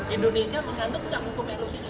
indonesia mengandung tidak hukum elusif